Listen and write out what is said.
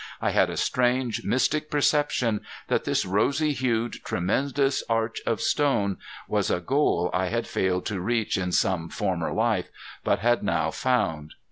I had a strange, mystic perception that this rosy hued, tremendous arch of stone was a goal I had failed to reach in some former life, but had now found.